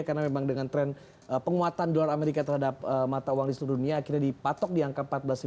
karena memang dengan tren penguatan dolar amerika terhadap mata uang di seluruh dunia akhirnya dipatok di angka empat belas empat ratus